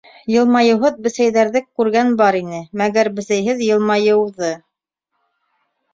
—Йылмайыуһыҙ бесәйҙәрҙе күргән бар ине, мәгәр бесәйһеҙ йылмайыуҙы!